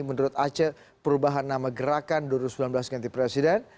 menurut aceh perubahan nama gerakan dua ribu sembilan belas ganti presiden